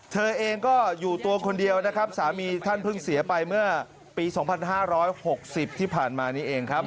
เธอเองก็อยู่ตัวคนเดียวนะครับสามีท่านเพิ่งเสียไปเมื่อปี๒๕๖๐ที่ผ่านมานี้เองครับ